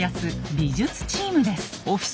美術チームです。